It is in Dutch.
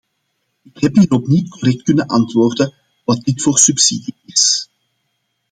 Ik heb hierop niet correct kunnen antwoorden wat dit voor subsidie is.